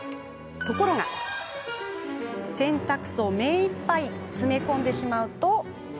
ところが洗濯槽めいっぱい詰め込んでしまうと。